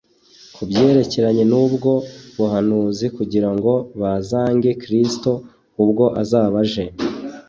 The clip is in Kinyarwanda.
ku byerekeranye n'ubwo buhanuzi kugira ngo bazange Kristo ubwo azaba aje.